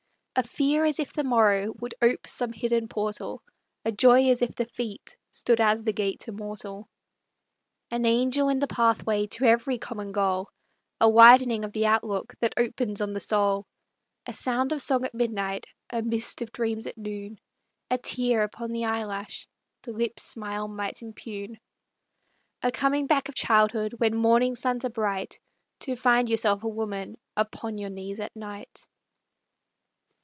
A fear as if the morrow Would ope some hidden portal ; A joy as if the feet Stood ai; the gate immortal. IN LIGHT: IN NIGHT. An angel in the pathway To every common goal, A widening of the outlook That opens on the soul. A sound of song at midnight, A mist of dreams at noon ; A tear upon the eyelash, The lips' smile might impugn. A coming back of childhood When morning suns are bright, To find yourself a woman Upon your knees at night.